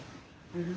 うん。